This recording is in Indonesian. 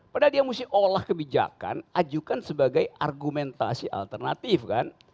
padahal dia mesti olah kebijakan ajukan sebagai argumentasi alternatif kan